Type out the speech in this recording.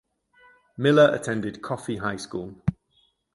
Miller attended Coffee High School.